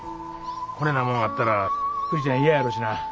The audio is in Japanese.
こねなもんあったら栗ちゃん嫌やろしな。